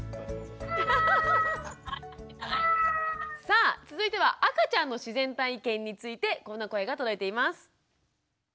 さあ続いては赤ちゃんの自然体験についてこんな声が届いています。